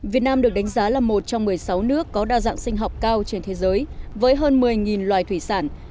việt nam được đánh giá là một trong một mươi sáu nước có đa dạng sinh học cao trên thế giới với hơn một mươi loài thủy sản